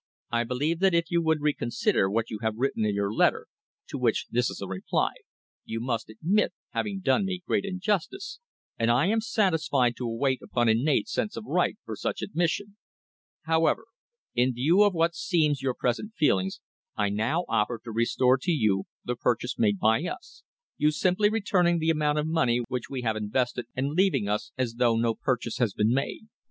I believe that if you would recon sider what you have written in your letter, to which this is a reply, you must admit having done me great injustice, and I am satisfied to await upon innate sense of right for such admission. However, in view of what seems your present feelings, I now offer to restore to you the purchase made by us, you simply returning the amount of money which we have invested and leaving us as though no purchase had been made.